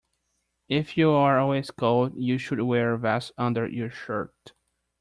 If you are always cold, you should wear a vest under your shirt